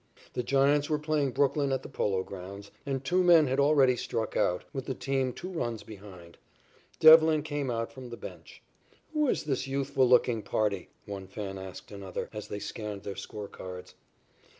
The Giants were playing Brooklyn at the Polo Grounds, and two men had already struck out, with the team two runs behind. Devlin came out from the bench. "Who is this youthful looking party?" one fan asked another, as they scanned their score cards.